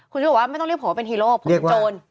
คุณชุวิตบอกว่าไม่ต้องเรียกผมว่าเป็นฮีโร่เพราะเป็นโจร